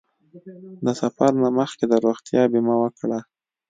د سفر نه مخکې د روغتیا بیمه وکړه.